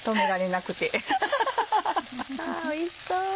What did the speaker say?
おいしそう。